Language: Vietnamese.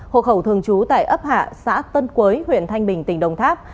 hộ khẩu thường trú tại ấp hạ xã tân quế huyện thanh bình tỉnh đồng tháp